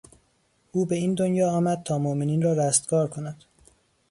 او به این دنیا آمد تا مومنین را رستگار کند.